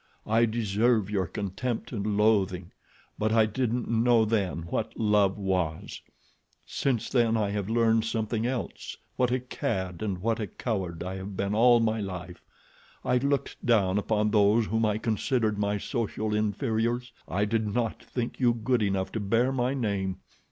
I deserve your contempt and loathing; but I didn't know then what love was. Since I have learned that I have learned something else—what a cad and what a coward I have been all my life. I looked down upon those whom I considered my social inferiors. I did not think you good enough to bear my name.